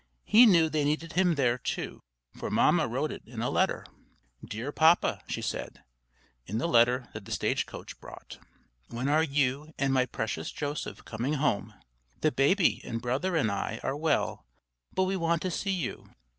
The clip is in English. He knew they needed him there, too, for Mamma wrote it in a letter. "Dear Papa," she said, in the letter that the stage coach brought, "When are you, and my precious Joseph coming home? The baby and Brother and I are well but we want to see you.